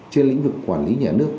trên lĩnh vực quản lý nhà nước